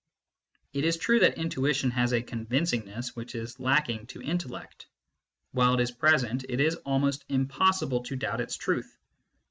It is true that intuition has a convincingness which is lacking to intellect : while it is present, it is almost impossible to doubt its truth.